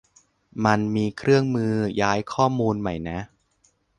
มันมีเครื่องมือย้ายข้อมูลไหมนะ